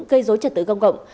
gây dối trật tự công cộng